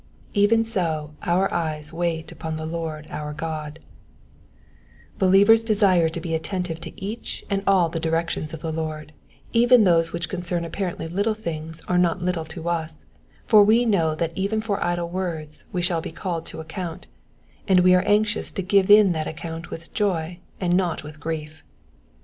*^Even so our eyes wait upon the Lord our God,'*^ Believers desire to be attentive to each and all of the directions of the Lord ; even those which concern apparently little things are not little to us, for we know that even for idle words we shall be called to account, and we are anxious to give in that account with joy, and not with grief.